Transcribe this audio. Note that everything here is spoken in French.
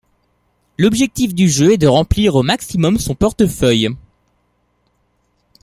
L'objectif du jeu est de remplir au maximum son portefeuille.